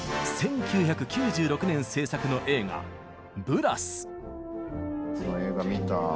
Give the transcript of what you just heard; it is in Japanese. １９９６年製作の映画「ブラス！」。